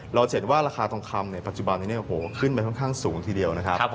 เราจะเห็นว่าราคาทองคำในปัจจุบันนี้ขึ้นไปค่อนข้างสูงทีเดียวนะครับ